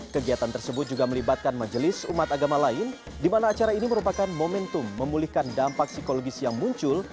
kegiatan tersebut juga melibatkan majelis umat agama lain di mana acara ini merupakan momentum memulihkan dampak psikologis yang muncul